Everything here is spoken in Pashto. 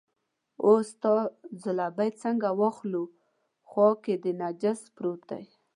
اوس ستا ځلوبۍ څنګه واخلو، خوا کې دې نجس پروت دی.